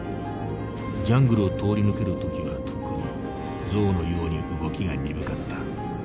ジャングルを通り抜ける時は特に象のように動きが鈍かった。